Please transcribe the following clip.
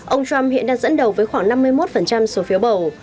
ông trump hiện đang dẫn đầu với khoảng năm mươi một số phiếu bầu